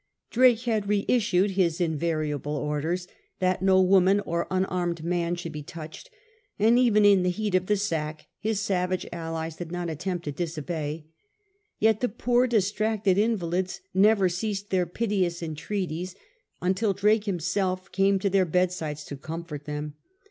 Drake had reissued his invariable orders that no woman, or unarmed man should be touched, and even in the heat of the sack his savage allies did not attempt to disobey. Yet the poor distracted invalids never ceased their piteous entreaties until Drake himself came to their bedsides to comfort them.